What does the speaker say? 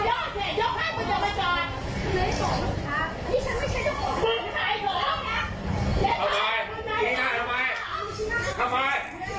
แล้วทำไม